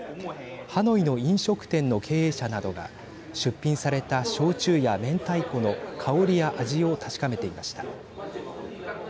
ハノイの飲食店の経営者などが出品された焼酎やめんたいこの香りや味を確かめていました。